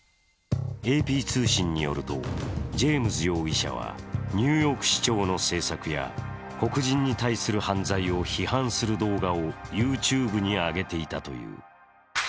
ＡＰ通信によると、ジェームズ容疑者はニューヨーク市長の政策や黒人に対する犯罪を批判する動画をＹｏｕＴｕｂｅに上げていたという。